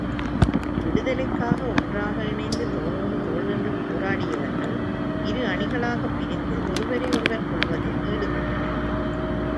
விடுதலைக்காக ஒன்றாக இணைந்து தோளோடுதோள் நின்று போராடியவர்கள் இரு அணிகளாகப் பிரித்து ஒருவரை ஒருவர் கொல்வதில் ஈடுபட்டனர்.